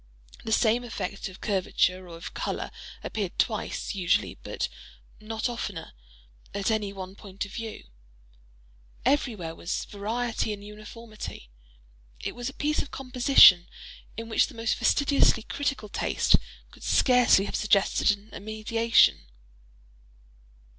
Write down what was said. The same effect of curvature or of color appeared twice, usually, but not oftener, at any one point of view. Everywhere was variety in uniformity. It was a piece of "composition," in which the most fastidiously critical taste could scarcely have suggested an emendation.